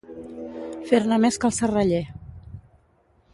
Fer-ne més que el Serraller.